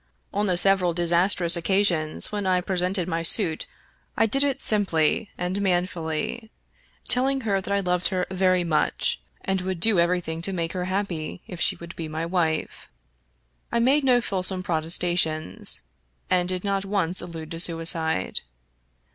On the several disastrous occasions when I presented my suit I did it simply and manfully, telling her that I loved her very much, and would do everything to make her happy if she would be my wife. I made no fulsome protestations, and did not once allude to suicide.